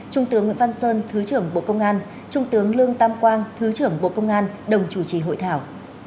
trung tướng nguyễn văn sơn thứ trưởng bộ công an trung tướng lương tam quang thứ trưởng bộ công an đồng chủ trì hội thảo